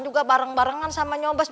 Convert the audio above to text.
juga bareng barengan sama nyoba the